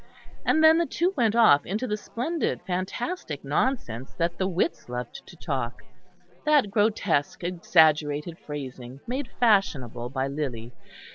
And then the two went off into the splendid fantastic nonsense that the wits loved to talk; that grotesque, exaggerated phrasing made fashionable by Lyly.